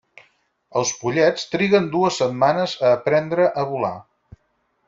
Els pollets triguen dues setmanes a aprendre a volar.